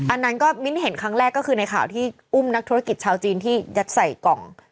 อันนั้นก็มิ้นเห็นครั้งแรกก็คือในข่าวที่อุ้มนักธุรกิจชาวจีนที่ยัดใส่กล่อง